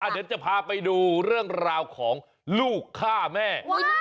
เดี๋ยวจะพาไปดูเรื่องราวของลูกฆ่าแม่